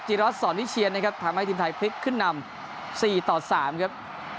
รัฐสอนวิเชียนนะครับทำให้ทีมไทยพลิกขึ้นนำ๔ต่อ๓ครับ